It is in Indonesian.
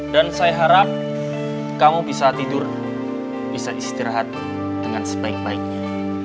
dan saya harap kamu bisa tidur bisa istirahat dengan sebaik baiknya